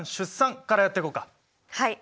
はい。